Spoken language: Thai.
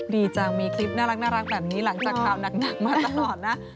ดีจังมีคลิปน่ารักแบบนี้หลังจากข่าวหนักมาตลอดนะ